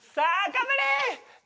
頑張れ！